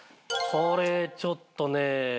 これちょっとね。